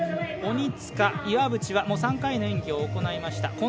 鬼塚、岩渕は３回の演技を行いました。